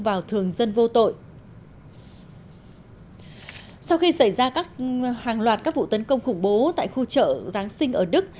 vào thường dân vô tội sau khi xảy ra hàng loạt các vụ tấn công khủng bố tại khu chợ giáng sinh ở đức